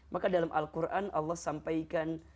maka dalam al quran allah sampaikan